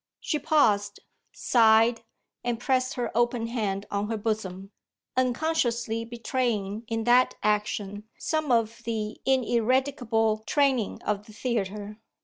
She paused, sighed, and pressed her open hand on her bosom; unconsciously betraying in that action some of the ineradicable training of the theatre.